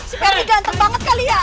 si ferdi ganteng banget kali ya